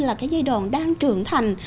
là cái giai đoạn đang trưởng thành